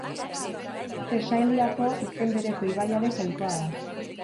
Tesaliako izen bereko ibaiaren jainkoa da.